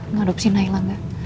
ngeadopsi naila enggak